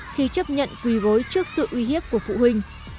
khi chấp nhận quỳ gối trước sự uy hiếp của phụ huynh